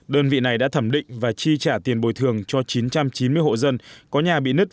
đơn vị này đã thẩm định và chi trả tiền bồi thường cho chín trăm chín mươi hộ dân có nhà bị nứt